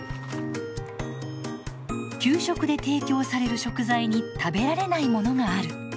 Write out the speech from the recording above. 給食で提供される食材に食べられないものがある。